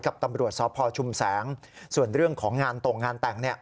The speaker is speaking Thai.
กับตำรวจสพชุมแสงส่วนเรื่องของงานตรงงานแต่ง